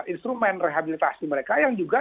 instrumen rehabilitasi mereka yang juga